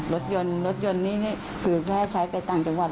รถยนต์นี่คือแม่ใช้เกิดต่างจังหวัด